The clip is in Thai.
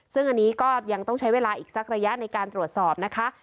ซึ่งอันนี้ก็ยังต้องใช้เวลาอีกสักระยะในการตรวจสอบนะคะ